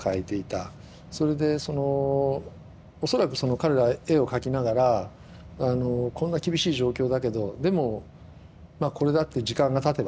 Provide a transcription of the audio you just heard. それで恐らく彼ら絵を描きながらこんな厳しい状況だけどでもこれだって時間がたてばね